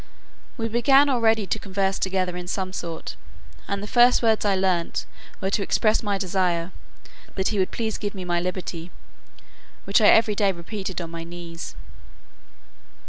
We began already to converse together in some sort; and the first words I learnt, were to express my desire "that he would please give me my liberty;" which I every day repeated on my knees.